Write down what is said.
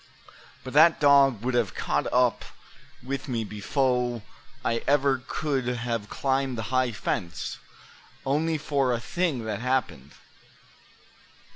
But that dog would have caught up with me befo' I ever could have climbed the high fence, only for a thing that happened.